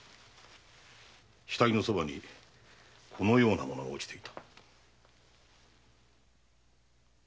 死体のそばにこのような物が落ちていた。